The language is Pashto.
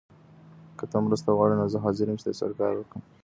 که ته مرسته غواړې نو زه حاضر یم چي درسره کار وکړم.